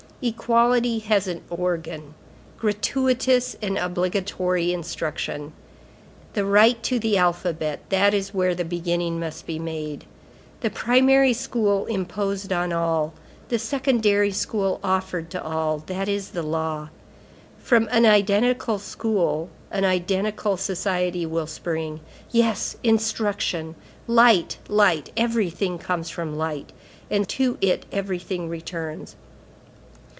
Equality has an organ: gratuitous and obligatory instruction. The right to the alphabet, that is where the beginning must be made. The primary school imposed on all, the secondary school offered to all, that is the law. From an identical school, an identical society will spring. Yes, instruction! light! light! everything comes from light, and to it everything returns.